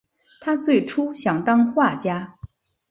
他最初想当画家。